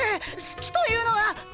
好きというのは！